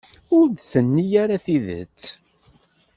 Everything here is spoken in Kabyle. Ur d-tenni ara tidet.